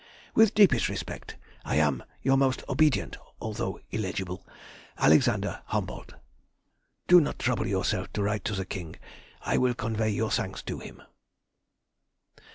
With the deepest respect, I am your most obedient, although illegible, ALEXANDER HUMBOLDT. Do not trouble yourself to write to the King; I will convey your thanks to him.